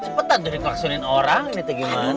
cepetan tuh diklaksuinin orang ini tegiman